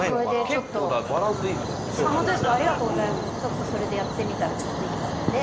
ちょっとそれでやってみたらちょっとできたので。